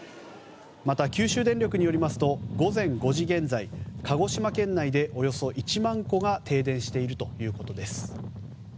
また九州電力によりますと午前５時現在鹿児島県でおよそ１万戸が停電しているということです。